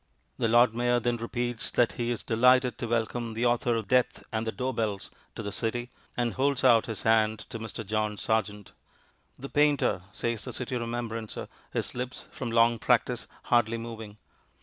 The Lord Mayor then repeats that he is delighted to welcome the author of Death and the Door bells to the City, and holds out his hand to Mr. John Sargent. "The painter," says the City Remembrancer, his lips, from long practice, hardly moving.